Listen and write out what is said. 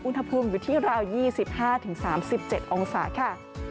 อุณหภูมิอยู่ที่ราว๒๕๓๗องศาค่ะ